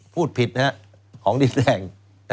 พูดผิดนะครับของดินแดง